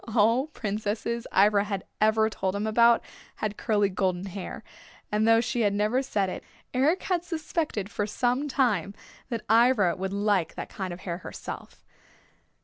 All princesses Ivra had ever told him about had curly golden hair, and though she had never said it, Eric had suspected for some time that Ivra would like that kind of hair herself.